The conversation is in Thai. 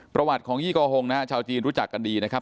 ประวัติของยี่กอฮงนะฮะชาวจีนรู้จักกันดีนะครับ